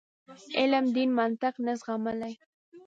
علم دین منطق نه زغملای.